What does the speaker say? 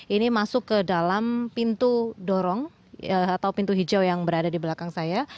ini masuk ke dalam pintu dorong atau pintu hijau yang berada di belakang saya